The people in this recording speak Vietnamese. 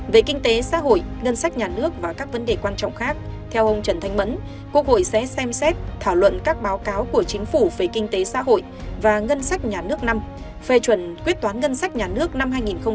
về kinh tế xã hội ngân sách nhà nước và các vấn đề quan trọng khác theo ông trần thanh mẫn quốc hội sẽ xem xét thảo luận các báo cáo của chính phủ về kinh tế xã hội và ngân sách nhà nước năm phê chuẩn quyết toán ngân sách nhà nước năm hai nghìn một mươi bảy